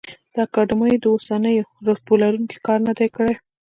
د اکاډمیو د اوسنیو رتبو لروونکي کار نه دی کړی.